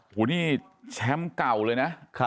โอ้โหนี่แชมป์เก่าเลยนะ